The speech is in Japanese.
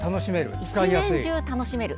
１年中楽しめる。